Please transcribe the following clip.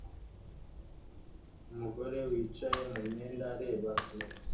Umugore wicaye mu myenda areba kamera